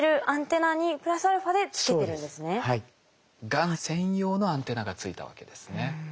がん専用のアンテナがついたわけですね。